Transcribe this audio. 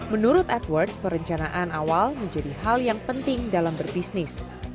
menurut edward perencanaan awal menjadi hal yang penting dalam berbisnis